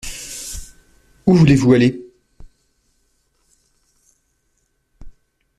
Où voulez-vous aller ?